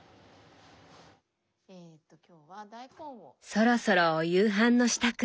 そろそろお夕飯の支度。